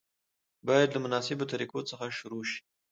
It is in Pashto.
باید له مناسبو طریقو څخه شروع شي.